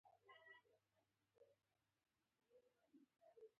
سېلاب داسې ليکل کېږي